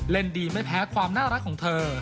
ดีไม่แพ้ความน่ารักของเธอ